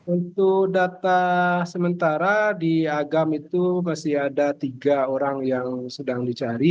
untuk data sementara di agam itu masih ada tiga orang yang sedang dicari